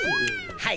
はい！